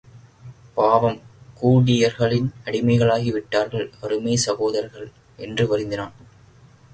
பாவம், கூர்டியர்களின் அடிமைகளாகி விட்டார்கள் அருமை சகோதரர்கள்! என்று வருந்தினான்.